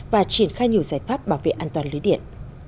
và triển khai nhiều giải pháp bảo vệ an toàn lưới điện